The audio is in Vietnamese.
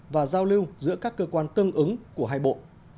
và giao lưu giữa các cơ quan tương ứng của hai bộ